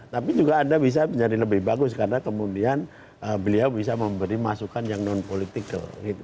tapi juga anda bisa menjadi lebih bagus karena kemudian beliau bisa memberi masukan yang non politikal